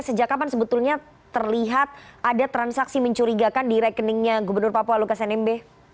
sejak kapan sebetulnya terlihat ada transaksi mencurigakan di rekeningnya gubernur papua lukas nmb